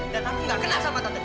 dan aku gak kenal sama tante